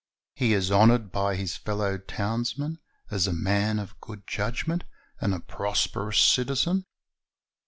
He is honored by his fellow townsmen as a man of good judgment and a prosperous citizen.